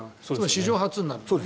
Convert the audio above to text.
史上初になる。